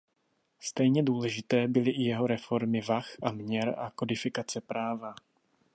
Stejně důležité byly i jeho reformy vah a měr a kodifikace práva.